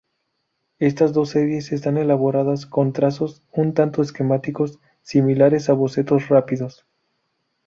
Estas dos series están elaboradas con trazos un tanto esquemáticos, similares a bocetos rápidos.